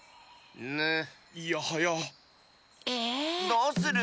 どうする？